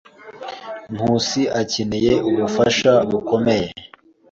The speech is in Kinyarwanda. Nkusi akeneye ubufasha bukomeye.